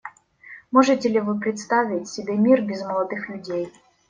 Можете ли вы представить себе мир без молодых людей?